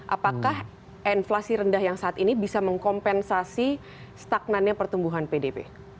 apakah inflasi rendah yang saat ini bisa mengkompensasi stagnannya pertumbuhan pdb